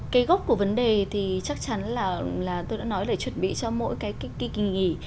cái gốc của vấn đề thì chắc chắn là tôi đã nói để chuẩn bị cho mỗi cái kỳ nghỉ